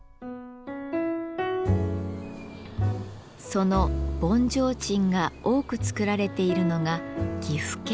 その盆提灯が多く作られているのが岐阜県。